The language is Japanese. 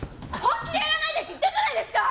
本気でやらないでって言ったじゃないですか！